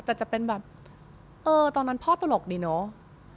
แต่จะเป็นแบบเออตอนนั้นพ่อตลกดีเนอะ